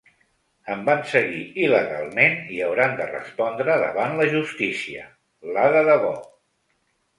Em van seguir il·legalment i hauran de respondre davant la justícia, la de debò.